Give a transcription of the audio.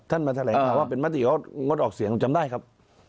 มาแถลงข่าวว่าเป็นมติเขางดออกเสียงจำได้ครับ